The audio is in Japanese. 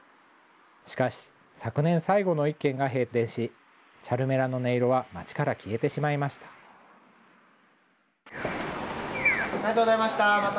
しかし昨年最後の１軒が閉店しチャルメラの音色は街から消えてしまいましたありがとうございました。